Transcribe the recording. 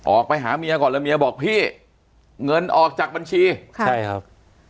ออกไปหาเมียก่อนแล้วเมียบอกพี่เงินออกจากบัญชีใช่ครับ